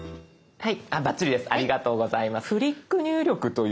はい。